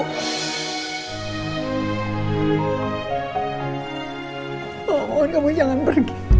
tapi rizky udah lihatnya